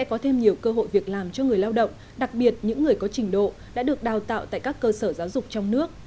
có thêm nhiều cơ hội việc làm cho người lao động đặc biệt những người có trình độ đã được đào tạo tại các cơ sở giáo dục trong nước